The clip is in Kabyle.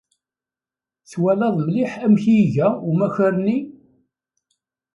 Twalaḍ mliḥ amek i iga umakar-nni?